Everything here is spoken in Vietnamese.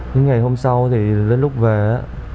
nhưng ngày hôm sau thì đến lúc về á